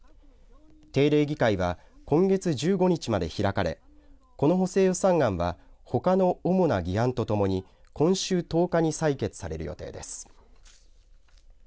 定例議会は今月１５日まで開かれこの補正予算案はほかの主な議案とともに今週１０日に採決される予定です。